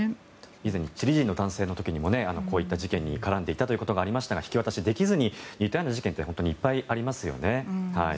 以前にチリ人の男性の時にもこういった事件に絡んでいたということがありましたが引き渡しできずに似たような事件っていっぱいありますよね。